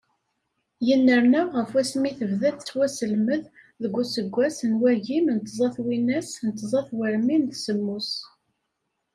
Yennerna, ɣef wasmi tebda tettwaselmed deg useggas, n wagim d tẓa twinas d tẓa tmerwin d semmus.